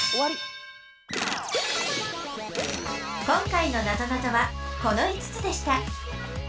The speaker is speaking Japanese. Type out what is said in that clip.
今回のなぞなぞはこの５つでした